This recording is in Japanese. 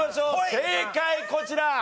正解こちら。